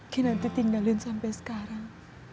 kinanti tinggalin sampai sekarang